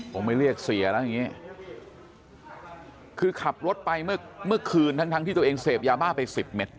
ผมไม่เรียกเสียแล้วอย่างนี้คือขับรถไปเมื่อเมื่อคืนทั้งทั้งที่ตัวเองเสพยาบ้าไปสิบเม็ด